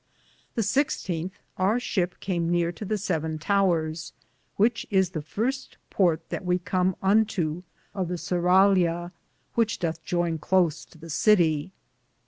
The 1 6th our shipp Came neare to the Seven Towers, which is the firste porte that we com unto of the surralia (seraglio) which doth joyne close to the Cittie.